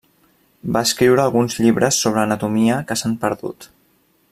Va escriure alguns llibres sobre anatomia, que s'han perdut.